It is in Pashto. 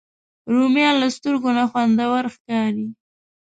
رومیان له سترګو نه خوندور ښکاري